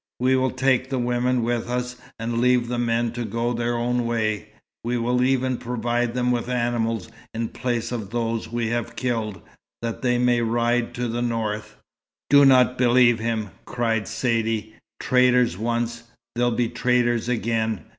"We will take the women with us, and leave the men to go their own way. We will even provide them with animals in place of those we have killed, that they may ride to the north." "Do not believe him!" cried Saidee. "Traitors once, they'll be traitors again.